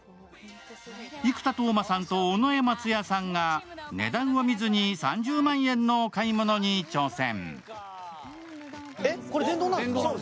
生田斗真さんと尾上松也さんが値段を見ずに３０万円のお買い物に挑戦。